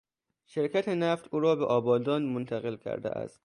شرکت نفت او را به آبادان منتقل کرده است.